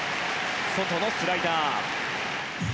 外のスライダー。